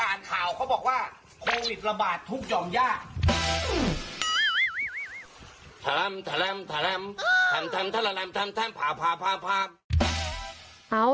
อ่านข่าวเขาบอกว่าโควิดระบาดทุกยอมยาก